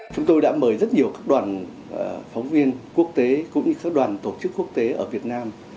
chúng tôi đã mời rất nhiều các đoàn phóng viên quốc tế cũng như các đoàn tổ chức quốc tế ở việt nam